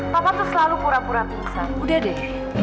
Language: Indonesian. papa tuh selalu pura pura pingsan udah deh